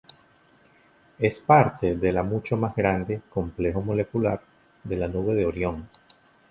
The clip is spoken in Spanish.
Es parte de la mucho más grande Complejo molecular de la nube de Orión